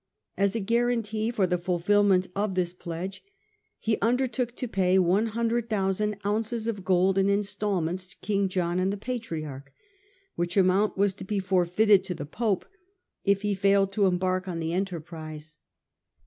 As a guarantee for the fulfilment of this pledge he undertook to pay 100,000 ounces of gold in instalments to King John and the Patriarch, which amount was to be forfeited to the Pope if he failed to embark on the enterprise.